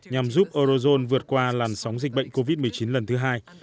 nhằm giúp eurozone vượt qua làn sóng dịch bệnh covid một mươi chín lần thứ hai